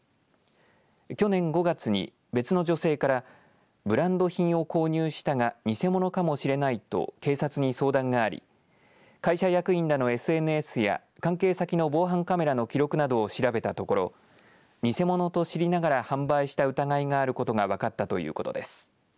去年５月に別の女性からブランド品を購入したが偽物かもしれないと警察に相談があり会社役員らのＳＮＳや関係先の防犯カメラの記録などを調べたところ偽物と知りながら販売した疑いがあることが分かったということです。